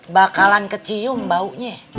bakalan kecium baunya